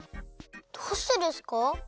どうしてですか？